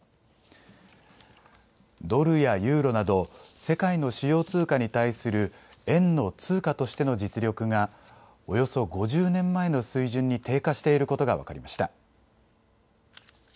ドルやユーロなど、世界の主要通貨に対する円の通貨としての実力が、およそ５０年前の水準に低下していることが分かりました。